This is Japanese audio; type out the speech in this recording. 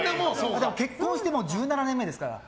結婚して１７年目ですから。